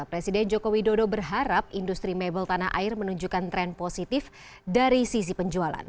presiden joko widodo berharap industri mebel tanah air menunjukkan tren positif dari sisi penjualan